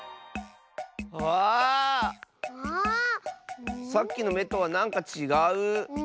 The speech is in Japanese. ああっ⁉さっきのめとはなんかちがう！